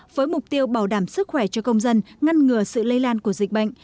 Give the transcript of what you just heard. với mục tiêu bảo đảm sức khỏe cho công dân ngăn ngừa sự lây lan của dịch bệnh